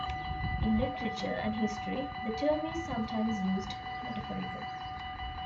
In literature and history, the term is sometimes used metaphorically.